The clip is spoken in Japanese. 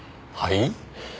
はい？